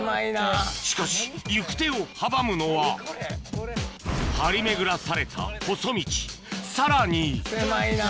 しかし行く手を阻むのは張り巡らされたさらに狭いな。